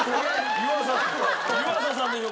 湯浅さんでしょ